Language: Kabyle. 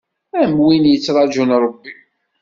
Am win yettraǧun Ṛebbi.